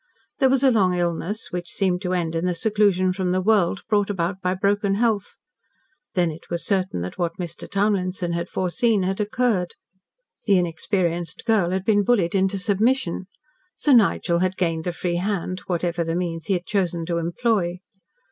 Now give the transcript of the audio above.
There was a long illness, which seemed to end in the seclusion from the world, brought about by broken health. Then it was certain that what Mr. Townlinson had foreseen had occurred. The inexperienced girl had been bullied into submission. Sir Nigel had gained the free hand, whatever the means he had chosen to employ.